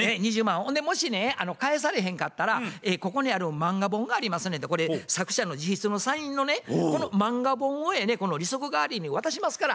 ほんでもしね返されへんかったらここにある漫画本がありますねんてこれ作者の自筆のサインのねこの漫画本をやね利息代わりに渡しますから。